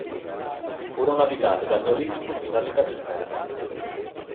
Furono abitate dal neolitico fino all'età del ferro.